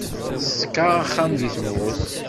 Teṣka axxam deg tmurt.